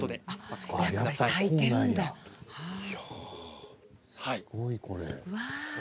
すごい、これ。